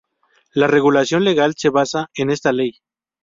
La regulación legal se basa en esta Ley.